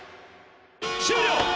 終了！